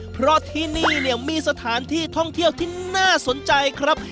เพราะที่นี่เนี่ยมีสถานที่ท่องเที่ยวที่น่าสนใจครับ